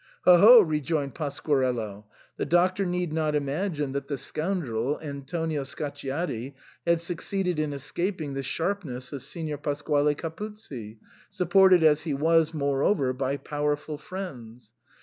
" Ho ! ho !" rejoined Pasquarello. " The Doctor need not imagine that the scoundrel, Antonio Scacciati, had succeeded in escaping the sharpness of Signor Pasquale Capuzzi, supported as he was, moreover, by powerful friends.